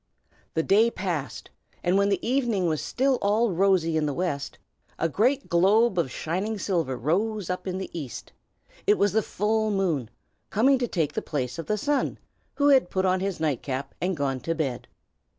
The day passed, and when the evening was still all rosy in the west, a great globe of shining silver rose up in the east. It was the full moon, coming to take the place of the sun, who had put on his nightcap and gone to bed.